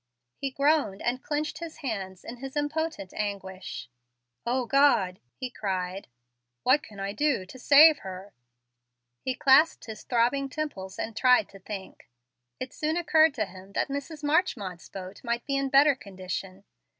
He groaned and clenched his hands in his impotent anguish. "O God!" he cried, "what can I do to save her." He clasped his throbbing temples, and tried to think. It soon occurred to him that Mrs. Marchmont's boat might be in better condition.